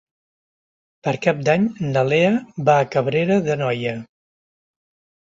Per Cap d'Any na Lea va a Cabrera d'Anoia.